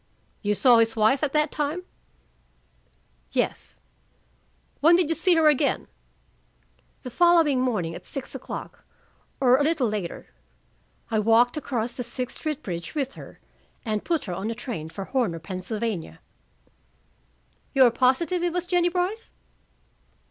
"You saw his wife at that time?" "Yes." "When did you see her again?" "The following morning, at six o'clock, or a little later. I walked across the Sixth Street bridge with her, and put her on a train for Horner, Pennsylvania." "You are positive it was Jennie Brice?"